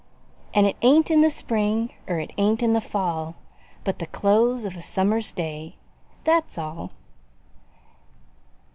An' it ain't in the spring er it ain't in the fall, But the close of a summer's day, That's all.